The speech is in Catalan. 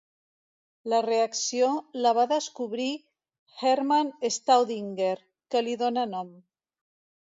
La reacció la va descobrir Hermann Staudinger, que li dona nom.